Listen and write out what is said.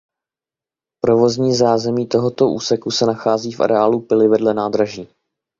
Provozní zázemí tohoto úseku se nachází v areálu pily vedle nádraží.